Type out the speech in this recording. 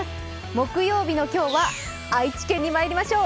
木曜日の今日は愛知県にまいりましょう。